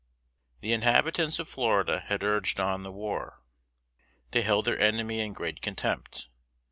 The inhabitants of Florida had urged on the war. They held their enemy in great contempt.